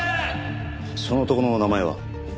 その男の名前は？